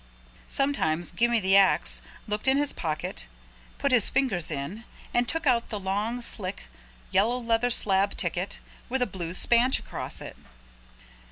Sometimes Gimme the Ax looked in his pocket, put his fingers in and took out the long slick yellow leather slab ticket with a blue spanch across it.